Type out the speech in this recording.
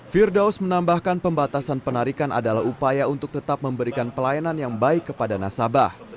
firdaus menambahkan pembatasan penarikan adalah upaya untuk tetap memberikan pelayanan yang baik kepada nasabah